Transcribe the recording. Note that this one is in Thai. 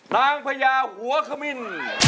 นางพญาหัวขมิ้น